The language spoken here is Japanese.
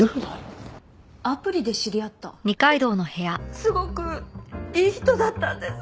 すごくいい人だったんです。